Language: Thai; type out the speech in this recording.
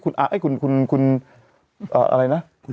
คุณอาคุณอะไรนะ